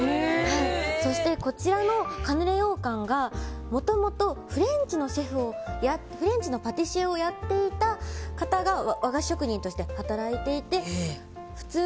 そしてこちらのカヌレ羊羹がもともとフレンチのパティシエをやっていた方が和菓子職人として働いていて。